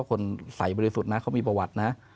คนไสไปเรื่อยสุดนะเขามีประวัตินะ